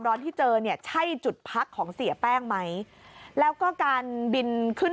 ที่เจอเนี่ยใช่จุดพักของเสียแป้งไหมแล้วก็การบินขึ้น